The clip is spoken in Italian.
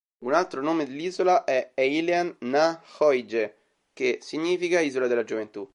Un altro nome dell'isola è "Eilean na h-Oige", che significa "isola della gioventù".